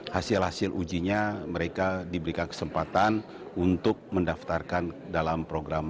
hasil hasil ujinya mereka diberikan kesempatan untuk mendaftarkan dalam program